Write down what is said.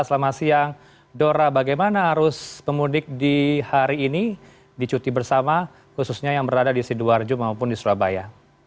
selamat siang dora bagaimana arus pemudik di hari ini di cuti bersama khususnya yang berada di sidoarjo maupun di surabaya